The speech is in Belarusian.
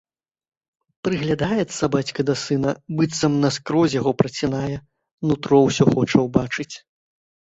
Прыглядаецца бацька да сына, быццам наскрозь яго працінае, нутро ўсё хоча ўбачыць.